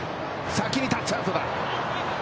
先にタッチアウトだ。